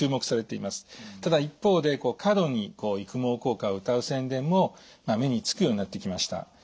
ただ一方で過度に育毛効果をうたう宣伝も目につくようになってきました。